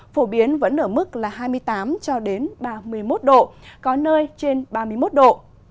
phổ biến vẫn ở mức là hai mươi tám cho đến ba mươi một độ có nơi trên ba mươi một độ